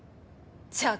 じゃあ